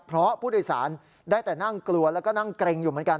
เพราะผู้โดยสารได้แต่นั่งกลัวแล้วก็นั่งเกร็งอยู่เหมือนกัน